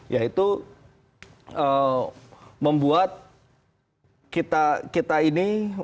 yaitu membuat kita ini